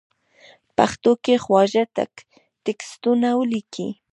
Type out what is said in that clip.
پښتو کې خواږه ټېکسټونه وليکئ!!